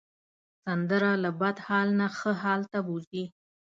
سندره له بد حال نه ښه حال ته بوځي